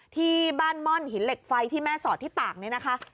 ที่บ้านม่อนหินเหล็กไฟที่แม่สอดที่ตากเนี่ยนะคะ